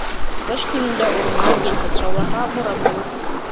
Ҡыш көнөндә урман елһеҙ шаулаһа, буран булыр.